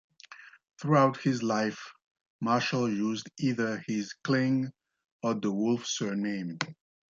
Throughout his life, Marshall used either his Kling or DeWolfe surname.